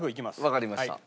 わかりました。